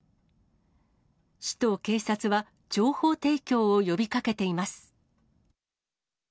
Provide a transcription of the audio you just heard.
市と警察は、情報提供を呼びかけています。